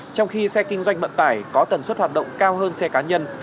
trong khi xe kinh doanh vận tải có tần suất hoạt động cao hơn xe cá nhân